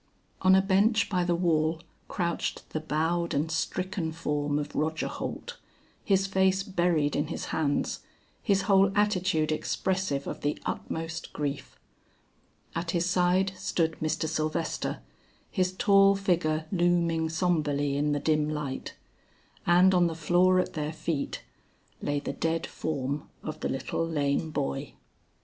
On a bench by the wall, crouched the bowed and stricken form of Roger Holt, his face buried in his hands, his whole attitude expressive of the utmost grief; at his side stood Mr. Sylvester, his tall figure looming sombrely in the dim light; and on the floor at their feet, lay the dead form of the little lame boy.